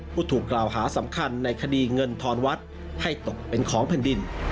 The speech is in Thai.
ผู้ถูกกล่าวหาสำคัญในคดีเงินทอนวัดให้ตกเป็นของแผ่นดิน